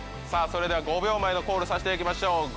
さあそれでは５秒前のコールしていきましょう。